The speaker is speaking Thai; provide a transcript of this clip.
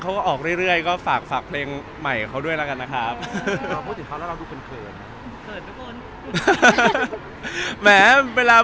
เขาจะได้เจอนุ่มคนไหนอะไรอย่างไรลักษณะเป็นอย่างไรคนแบบเล่นหรือเปล่า